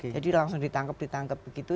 jadi langsung ditangkep ditangkep begitu